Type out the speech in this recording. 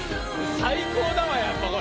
最高だわ、やっぱこれ！